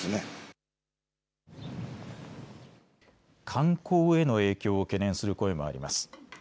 観光への影響を懸念する声もあります。